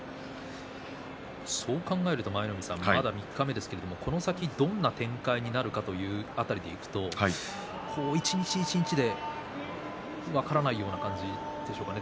そう考えるとまだ三日目ですがこの先どんな展開になるかという辺りでいくと一日一日で分からないような感じでしょうかね。